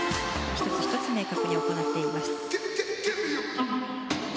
１つ１つ明確に行っていました。